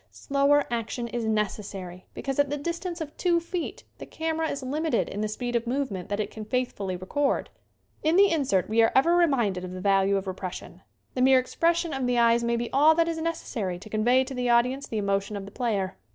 Slower action is necessary because at the distance of two feet the camera is lim ited in the speed of movement that it can faith fully record. In the insert we are ever reminded of the value of repression. The mere expression of the eyes may be all that is necessary to convey to the audience the emotion of the player.